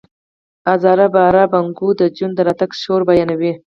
آزر باره بنکوی د جون د راتګ شور بیانوي